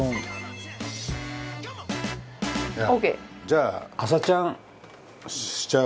豊ノ島：じゃあ朝ちゃんしちゃう？